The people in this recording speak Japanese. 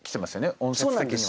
音節的には。